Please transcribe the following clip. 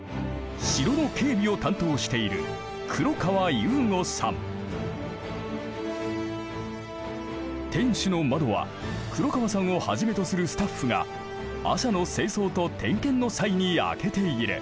城の警備を担当している天守の窓は黒川さんをはじめとするスタッフが朝の清掃と点検の際に開けている。